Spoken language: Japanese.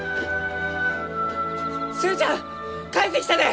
寿恵ちゃん帰ってきたで！